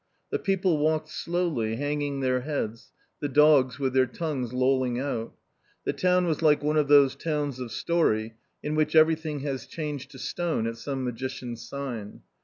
The people walked slowly, hanging their heads, the dogs with their tongues lolling out. The town was like one of those towns of story, in which everything has changed to stone at some magician's sign.